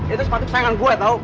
itu sepatu kesayangan gue tau